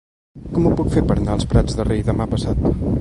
Com ho puc fer per anar als Prats de Rei demà passat?